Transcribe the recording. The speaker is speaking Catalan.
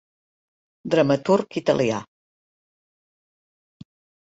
Dramaturg italià.